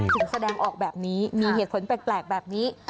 แสดงออกแบบนี้มีเหตุผลแปลกแบบนี้